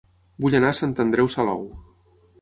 Vull anar a Sant Andreu Salou